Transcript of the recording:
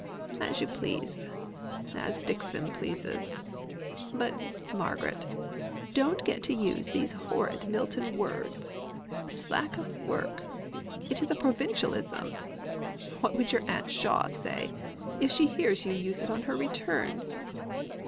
"As you please. As Dixon pleases. But, Margaret, don't get to use these horrid Milton words. 'Slack of work:' it is a provincialism. What will your aunt Shaw say, if she hears you use it on her return?"